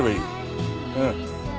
うん。